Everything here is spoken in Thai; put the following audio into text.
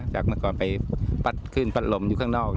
เมื่อก่อนไปพัดขึ้นพัดลมอยู่ข้างนอก